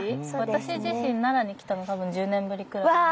私自身奈良に来たの多分１０年ぶりくらいなので。